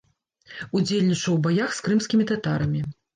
Удзельнічаў у баях з крымскімі татарамі.